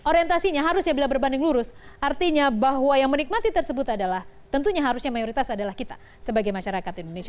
orientasinya harusnya bila berbanding lurus artinya bahwa yang menikmati tersebut adalah tentunya harusnya mayoritas adalah kita sebagai masyarakat indonesia